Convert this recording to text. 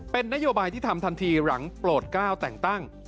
เป็นนโยบายที่ทำทันทีหลังโปรดก้าวแต่งตั้ง